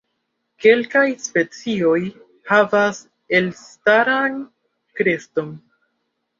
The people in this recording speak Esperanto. Kelkaj specioj havas elstaran kreston.